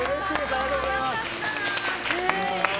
ありがとうございます！